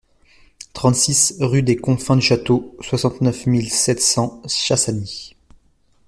trente-six rue des Confins du Château, soixante-neuf mille sept cents Chassagny